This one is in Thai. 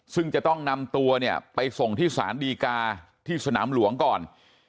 ซึ่งจะต้องนำตัวเนี่ยไปส่งที่สารดีกาที่สนามหลวงก่อน